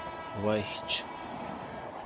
Wa i kečč.